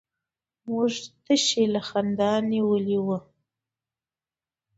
موږ تشي له خندا نيولي وو.